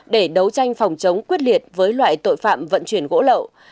để đấu tranh phòng chống quyết liệt với loại tội phạm vận chuyển gỗ lậu